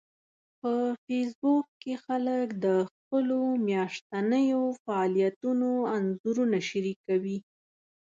په فېسبوک کې خلک د خپلو میاشتنيو فعالیتونو انځورونه شریکوي